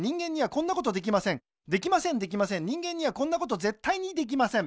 できませんできません人間にはこんなことぜったいにできません